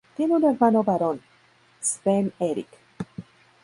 Tiene un hermano varón, Sven Erik.